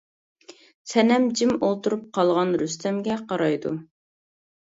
سەنەم جىم ئولتۇرۇپ قالغان رۇستەمگە قارايدۇ.